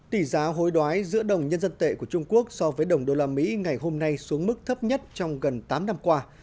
tỷ giá hối đoái giữa đồng nhân dân tệ của trung quốc so với đồng đô la mỹ ngày hôm nay xuống mức thấp nhất trong gần tám năm qua